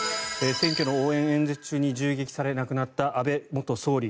選挙の応援演説中に銃撃され亡くなった安倍元総理。